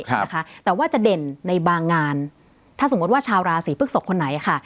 ค่ะนะคะแต่ว่าจะเด่นในบางงานถ้าสมมติว่าชาวราศีพฤกษกคนไหนค่ะ